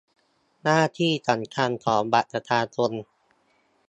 หน้าที่สำคัญของบัตรประชาชน